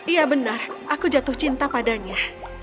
iya benar aku jatuh cinta padanya